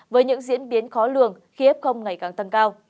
với những diễn biến khó lường khi ép không ngày càng tăng cao